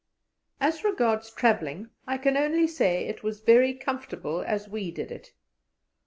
As regards travelling, I can only say it was very comfortable as we did it.